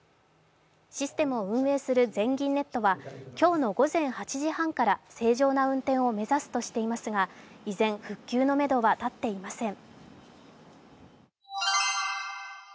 システムを運営する全銀ネットは今日の午前８時半から正常な運転を目指すとしていますが依然復旧のめどは立っていません。